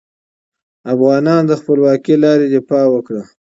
افغانانو د خپلواکې لارې دفاع وکړه.